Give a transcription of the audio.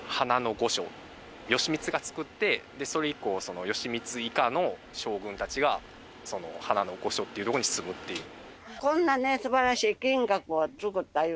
義満が造ってそれ以降義満以下の将軍たちがその花の御所っていうとこに住むっていう。